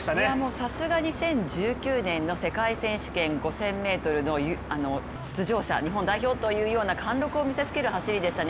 さすが２０１９年の世界選手権５０００ｍの出場者日本代表というような貫禄を見せつける走りでしたね。